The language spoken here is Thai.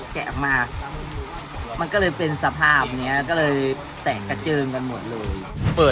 เข้าไปลึกเลยไหมพี่